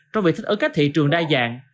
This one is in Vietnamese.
trong việc thích ứng các thị trường đa dạng